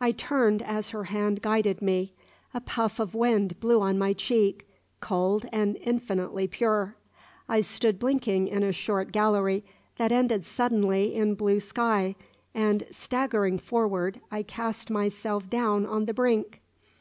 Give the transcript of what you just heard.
I turned as her hand guided me. A puff of wind blew on my cheek, cold and infinitely pure. I stood blinking in a short gallery that ended suddenly in blue sky, and, staggering forward, I cast myself down on the brink.